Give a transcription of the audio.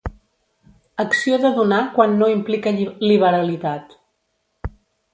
Acció de donar quan no implica liberalitat.